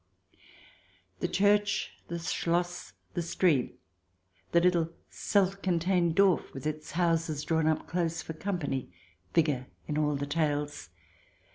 The Church, the Schloss, the Stream, the little self contained Dor/, with its houses drawn up close for company, figure in all the tales.